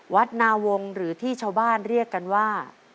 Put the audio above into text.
วัดนาวงศ์หรือที่ชาวบ้านเรียกกันว่า